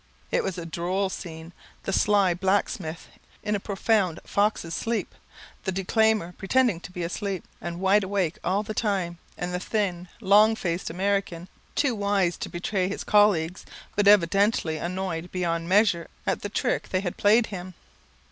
It was a droll scene: the sly blacksmith in a profound fox's sleep the declaimer pretending to be asleep, and wide awake all the time and the thin, long faced American, too wise to betray his colleagues, but evidently annoyed beyond measure at the trick they had played him.